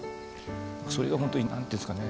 それが本当に何て言うんですかね